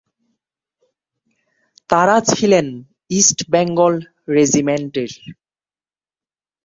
তারা ছিলেন ইস্ট বেঙ্গল রেজিমেন্টের।